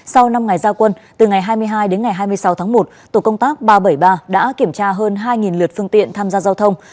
sau năm ngày gia quân từ ngày hai mươi hai đến ngày hai mươi sáu tháng một tổ công tác ba trăm bảy mươi ba đã kiểm tra hơn hai lượt phương tiện tham gia giao thông